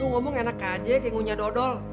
lu ngomong enak aja tengunya dodol